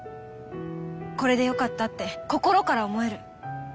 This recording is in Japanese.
これでよかったって心から思える。